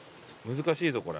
難しいねこれ。